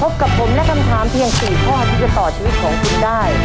ขอให้คุณถามเพียงสี่ข้อที่จะต่อชีวิตของคุณได้